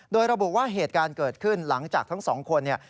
โดยระบุว่าเหตุการณ์เกิดขึ้นหลังจากทั้งสองคนเนี่ย